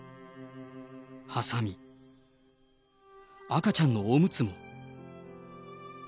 はさみ、赤ちゃんのおむつも。